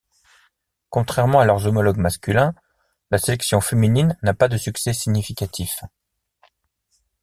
Contrairement à leurs homologues masculins, la sélection féminine n'a pas de succès significatif.